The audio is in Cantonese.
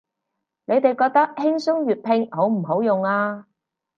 你哋覺得輕鬆粵拼好唔好用啊